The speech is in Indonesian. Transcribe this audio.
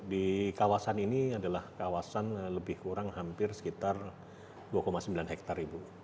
di kawasan ini adalah kawasan lebih kurang hampir sekitar dua sembilan hektare